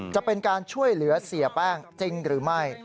จะเป็นการช่วยเหลือเสียแป้งจริงหรือไม่